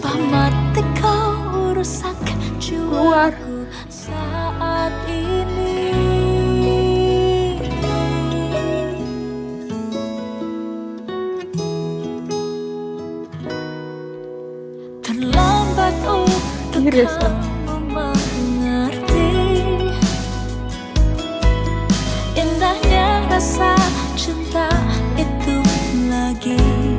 indahnya rasa cinta itu lagi